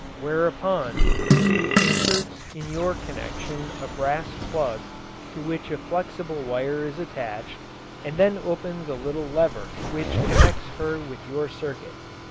Whereupon, she inserts in your connection a brass plug to which a flexible wire is attached, and then opens a little lever which connects her with your circuit.